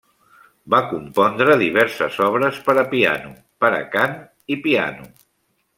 Va compondre diverses obres per a piano, per a cant i piano.